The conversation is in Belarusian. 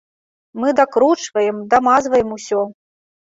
Мы дакручваем, дамазваем усё.